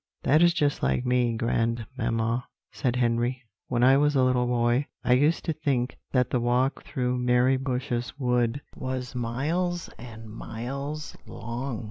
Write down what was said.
"That is just like me, grandmamma," said Henry; "when I was a little boy, I used to think that the walk through Mary Bush's wood was miles and miles long."